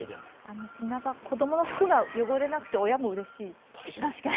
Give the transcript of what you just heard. あの砂場、子供の服が汚れなくて親もうれしい。